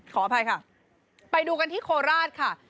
ขออภัยค่ะไปดูกันที่โคราชค่ะ